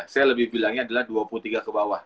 saya lebih bilangnya adalah dua puluh tiga ke bawah